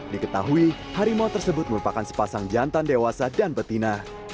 diketahui harimau tersebut merupakan sepasang jantan dewasa dan betina